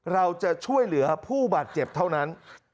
เราจะช่วยเหลือผู้บาดเจ็บเท่านั้น